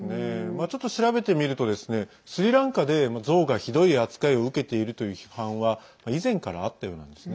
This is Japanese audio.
ちょっと調べてみるとスリランカでゾウが、ひどい扱いを受けているという批判は以前からあったようなんですね。